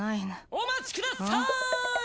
お待ちください！